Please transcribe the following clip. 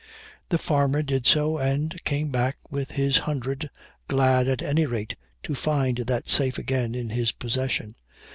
The farmer did so, and came back with his hundred, glad at any rate to find that safe again in his possession.